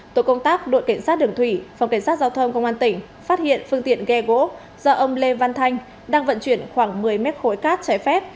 tổ công tác đội cảnh sát đường thủy phòng cảnh sát giao thông công an tỉnh phát hiện phương tiện ghe gỗ do ông lê văn thanh đang vận chuyển khoảng một mươi mét khối cát trái phép